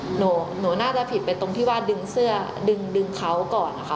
หนูน่าจะผิดไปตรงที่ดึงเขาก่อนนะคะ